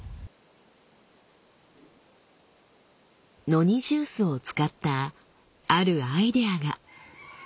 ノニジュースを使ったあるアイデアが。